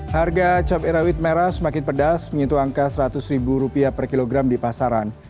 harga cabai rawit merah semakin pedas menyentuh angka rp seratus per kilogram di pasaran